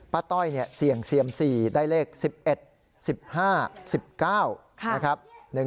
ต้อยเสี่ยงเซียม๔ได้เลข๑๑๑๕๑๙นะครับ